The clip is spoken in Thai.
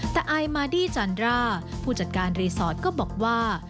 แต่อายมาดี้จันดร่าผู้จัดการรีสอร์ทก็บอกว่า